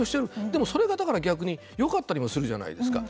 でも、それがだから逆によかったりもするじゃないですか。